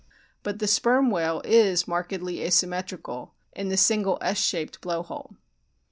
But the Sperm whale is markedly asymmetrical in the single S shaped blow hole.